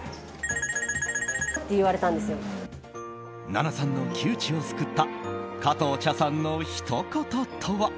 奈々さんの窮地を救った加藤茶さんのひと言とは？